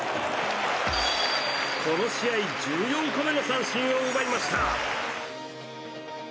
この試合１４個目の三振を奪いました。